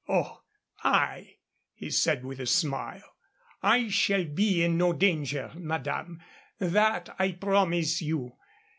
"Oh, I," he said, with a smile "I shall be in no danger, madame. That I promise you.